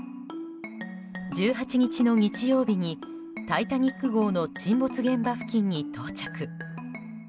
１８日の日曜日に「タイタニック号」の沈没現場付近に到着。